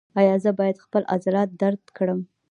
ایا زه باید خپل عضلات درد کړم؟